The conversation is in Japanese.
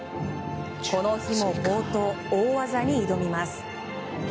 この日も冒頭、大技に挑みます。